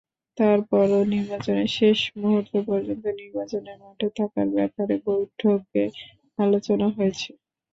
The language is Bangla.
তারপরও নির্বাচনের শেষ মুহূর্ত পর্যন্ত নির্বাচনের মাঠে থাকার ব্যাপারে বৈঠকে আলোচনা হয়েছে।